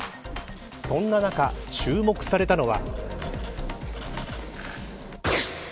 そんな中、注目されたのは。